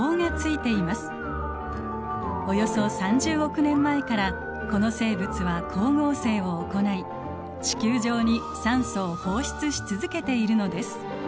およそ３０億年前からこの生物は光合成を行い地球上に酸素を放出し続けているのです。